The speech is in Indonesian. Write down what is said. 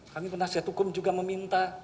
kami penasihat hukum juga meminta